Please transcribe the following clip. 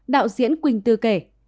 đạo diễn quỳnh tư kể